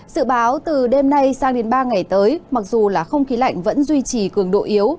sự báo từ đêm nay sang đến ba ngày tới mặc dù là không khí lạnh vẫn duy trì cường độ yếu